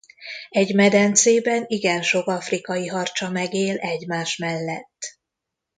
Egy medencében igen sok afrikai harcsa megél egymás mellett.